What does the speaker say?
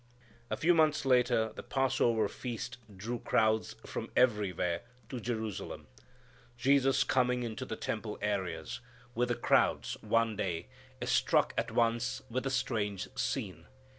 A few months later, the Passover Feast drew crowds from everywhere to Jerusalem. Jesus coming into the temple areas, with the crowds, one day, is struck at once with the strange scene.